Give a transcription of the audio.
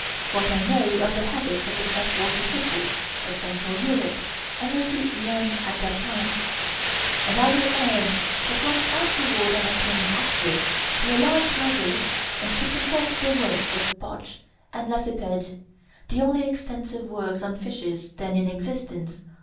What I know of the habits of the fresh water fishes of Central Europe I mostly learned at that time; and I may add, that when afterward I obtained access to a large library and could consult the works of Bloch and Lacépède, the only extensive works on fishes then in existence.